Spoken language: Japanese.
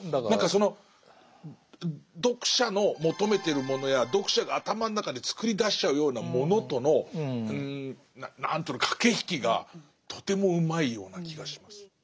何かその読者の求めてるものや読者が頭の中で作り出しちゃうようなものとの何ていうの駆け引きがとてもうまいような気がします。